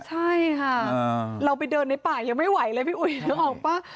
ใช่ค่ะเราไปเดินในป่ายังไม่ไหวเลยพี่อุ๋ยนึกออกป่ะ